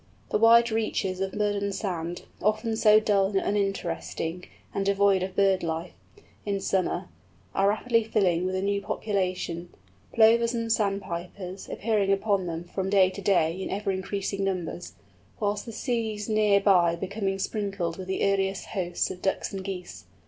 The wide reaches of mud and sand, often so dull and uninteresting, and devoid of bird life, in summer, are rapidly filling with a new population, Plovers and Sandpipers appearing upon them from day to day in ever increasing numbers, whilst the seas near by are becoming sprinkled with the earliest hosts of Ducks and Geese.